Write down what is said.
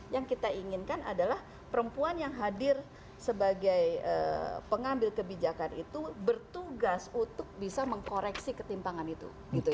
yang kita inginkan adalah perempuan yang hadir sebagai pengambil kebijakan itu bertugas untuk bisa mengkoreksi ketimpangan itu